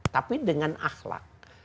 tapi dengan akhlak